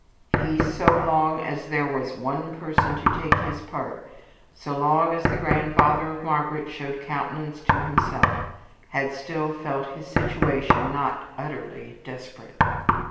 He, so long as there was one person to take his part, so long as the grandfather of Margaret showed countenance to himself, had still felt his situation not utterly desperate.